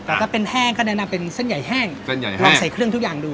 ถ้าเป็นแห้งก็แนะนำเป็นเส้นใหญ่แห้งเส้นใหญ่แห้งลองใส่เครื่องทุกอย่างดู